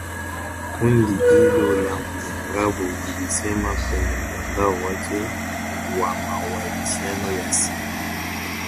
Kundi hilo la wanamgambo lilisema kwenye mtandao wake wa mawasiliano ya simu